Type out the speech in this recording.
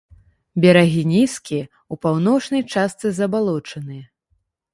Берагі нізкія, у паўночнай частцы забалочаныя.